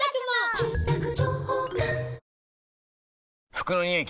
服のニオイ